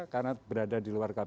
karena berada di luar kata